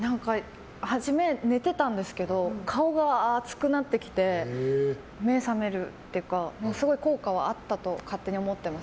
初め、寝ていたんですけど顔が熱くなってきて目が覚めるというかすごい効果があったと勝手に思ってます。